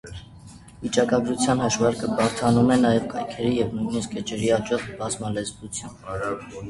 Վիճակագրության հաշվարկը բարդանում է նաև կայքերի և նույնիսկ էջերի աճող բազմալեզվությամբ։